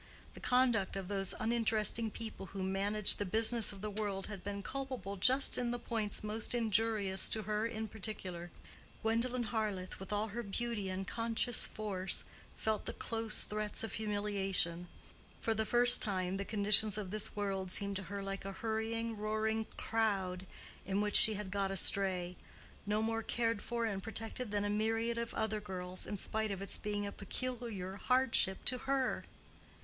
The conduct of those uninteresting people who managed the business of the world had been culpable just in the points most injurious to her in particular. Gwendolen Harleth, with all her beauty and conscious force, felt the close threats of humiliation: for the first time the conditions of this world seemed to her like a hurrying roaring crowd in which she had got astray, no more cared for and protected than a myriad of other girls, in spite of its being a peculiar hardship to her.